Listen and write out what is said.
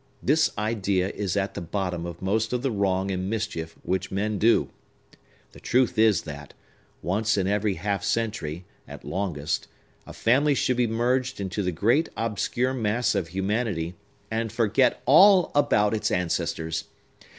This idea is at the bottom of most of the wrong and mischief which men do. The truth is, that, once in every half century, at longest, a family should be merged into the great, obscure mass of humanity, and forget all about its ancestors.